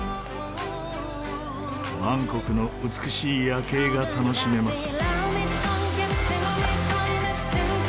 バンコクの美しい夜景が楽しめます。